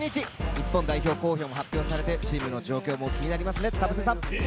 日本代表候補も発表されて、チームの状況も気になりますね、田臥さん。